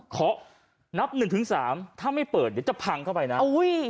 ขอนับหนึ่งถึงสามถ้าไม่เปิดเดี๋ยวจะพังเข้าไปนะอุ้ย